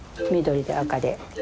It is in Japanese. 緑で赤で。